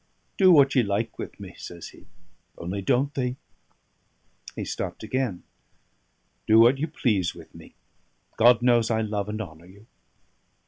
"Do what ye like with me," says he, "only don't think " He stopped again. "Do what you please with me: God knows I love and honour you."